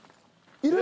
いる！